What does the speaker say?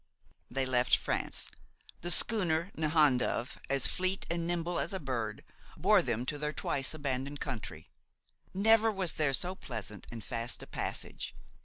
They left France. The schooner Nahandove, as fleet and nimble as a bird, bore them to their twice abandoned country. Never was there so pleasant and fast a passage.